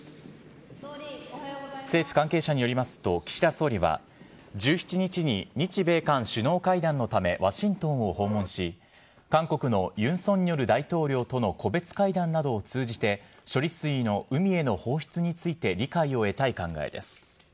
政府関係者によりますと、岸田総理は、１７日に日米韓首脳会談のため、ワシントンを訪問し、韓国のユン・ソンニョル大統領との個別会談などを通じて、処理水の海への放出について理解を得たい考えです。